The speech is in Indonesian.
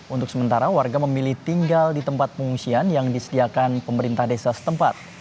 untuk sementara warga memilih tinggal di tempat pengungsian yang disediakan pemerintah desa setempat